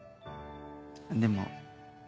でも。